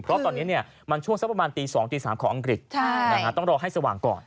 เพราะตอนนี้มันช่วงสักประมาณตี๒ตี๓ของอังกฤษต้องรอให้สว่างก่อน